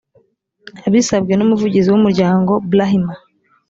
abisabwe n umuvugizi w umuryango brahma